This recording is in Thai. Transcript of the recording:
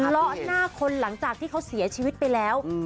ละหน้าคนหลังจากที่เขาเสียชีวิตไปแล้ว